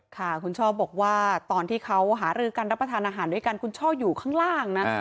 ค่ะคุณช่อบอกว่าตอนที่เขาหารือกันรับประทานอาหารด้วยกันคุณช่ออยู่ข้างล่างนะ